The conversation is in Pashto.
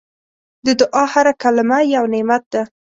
د دعا هره کلمه یو نعمت ده.